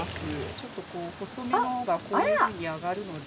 ちょっと細めのがこういうふうに揚がるので。